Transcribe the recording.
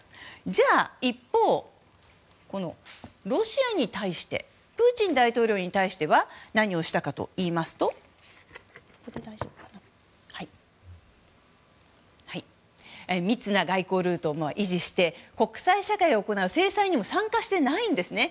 じゃあ一方、ロシアに対してプーチン大統領に対しては何をしたかといいますと密な外交ルートを維持して国際社会が行う制裁にも参加してないんですね。